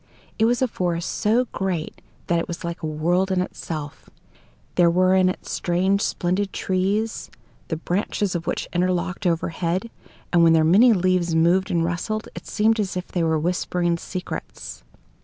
It was a forest so great that it was like a world in itself. There were in it strange, splendid trees, the branches of which interlocked overhead, and when their many leaves moved and rustled, it seemed as if they were whispering secrets.